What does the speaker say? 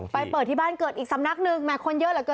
ไปเปิดที่บ้านเกิดอีกสำนักหนึ่งแม่คนเยอะแหละค่ะ